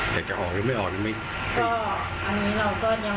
แต่จะออกหรือไม่ออกหรือไม่ออกก็อันนี้เราก็ยังไม่แน่ใจ